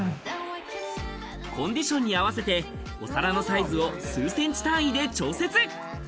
コンディションに合わせてお皿のサイズを数センチ単位で調節。